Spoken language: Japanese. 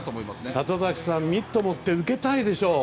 里崎さんミット持って受けたいでしょう。